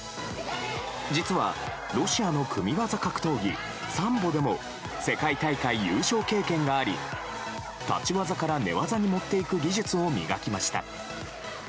実は、ロシアの組技格闘技サンボでも世界大会優勝経験があり立ち技から寝技に持っていく技術を磨きました。